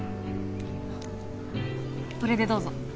これでどうぞ。